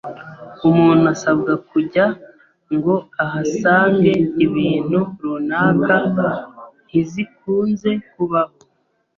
umuntu asabwa kujya ngo ahasange ibintu runaka ntizikunze kubaho.